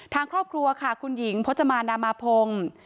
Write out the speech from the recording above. ทางครอบครัวค่ะคุณหญิงพจมานามาพงศ์